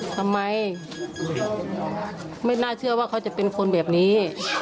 ทำไมไม่น่าเชื่อว่าเขาจะเป็นคนแบบนี้